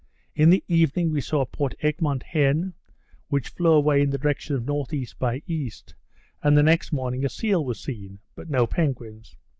In the evening we saw a Port Egmont hen, which flew away in the direction of N.E. by E., and the next morning a seal was seen; but no penguins.